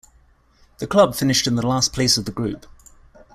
The club finished in the last place of the group.